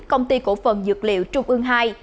công ty cổ phần dược liệu trung ương ii